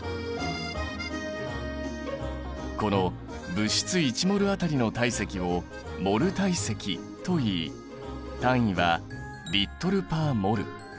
この物質１ｍｏｌあたりの体積を「モル体積」といい単位はＬ／ｍｏｌ。